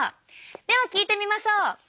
では聞いてみましょう。